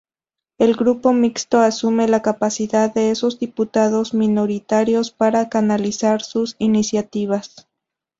El grupo mixto asume la capacidad de esos diputados minoritarios para canalizar sus iniciativas.